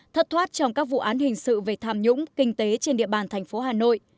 thất thoát trong các vụ án hình sự về tham nhũng kinh tế trên địa bàn thành phố hà nội